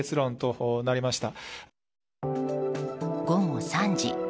午後３時。